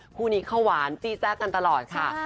คู่นี้เขาหวานจี้แทรกกันตลอดค่ะ